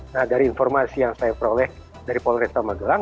nah dari informasi yang saya peroleh dari polresta magelang